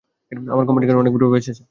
আমার কোম্পানির কারণে অনেক পরিবার বেঁচে আছে।